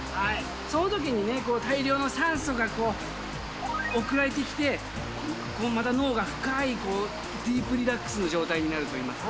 そのときに大量の酸素が送られてきて、また脳が深いディープリラックスの状態になるというか。